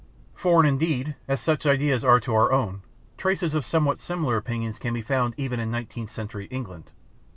Foreign, indeed, as such ideas are to our own, traces of somewhat similar opinions can be found even in nineteenth century England.